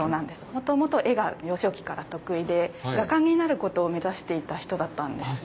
元々絵が幼少期から得意で画家になることを目指していた人だったんです。